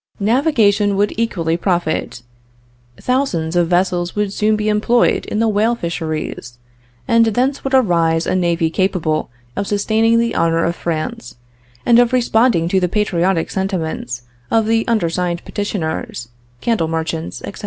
"Navigation would equally profit. Thousands of vessels would soon be employed in the whale fisheries, and thence would arise a navy capable of sustaining the honor of France, and of responding to the patriotic sentiments of the undersigned petitioners, candle merchants, etc.